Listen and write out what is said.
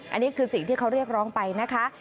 อันนี้คือสิ่งที่เขาเรียกร้องไปนะคะ